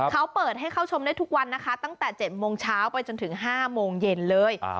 เขาเปิดให้เข้าชมได้ทุกวันนะคะตั้งแต่๗โมงเช้าไปจนถึง๕โมงเย็นเลย